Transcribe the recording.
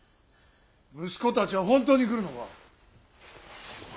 息子たちは本当に来るのか。